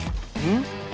ん？